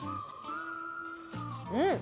うん！